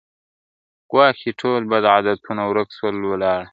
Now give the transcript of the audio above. ګواکي ټول بد عادتونه ورک سول ولاړه..